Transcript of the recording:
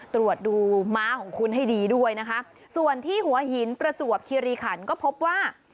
ตรวจดูม้าของคุณให้ดีด้วยนะคะส่วนที่หัวหินประจวบคิริขันก็พบว่า